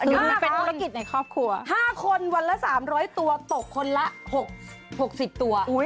อันนี้เป็นธุรกิจในครอบครัว๕คนวันละ๓๐๐ตัวตกคนละ๖๐ตัว